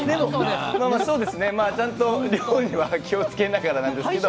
ちゃんと気をつけながらなんですけれど。